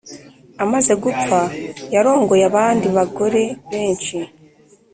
amaze gupfa yarongoye abandi bagore benshi